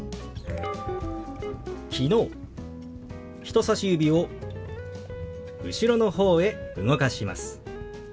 人さし指を後ろの方へ動かします。